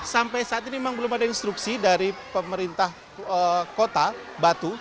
sampai saat ini memang belum ada instruksi dari pemerintah kota batu